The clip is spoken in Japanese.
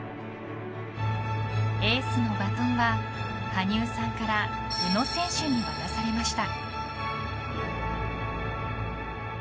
エースのバトンは羽生さんから宇野選手に渡されました。